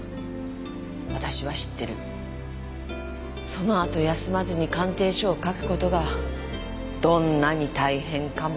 そのあと休まずに鑑定書を書く事がどんなに大変かも。